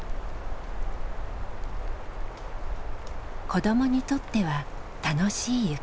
子どもにとっては楽しい雪。